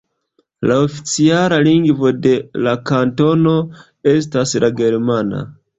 La oficiala lingvo de la kantono estas la germana.